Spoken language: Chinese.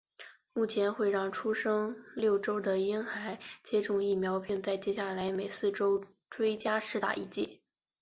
目前会让出生六周的婴孩接种疫苗并在接下来每四周追加施打一剂。